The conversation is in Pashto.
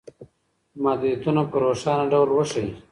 محدودیتونه په روښانه ډول وښایئ.